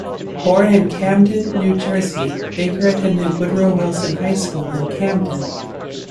Born in Camden, New Jersey, Baker attended Woodrow Wilson High School in Camden.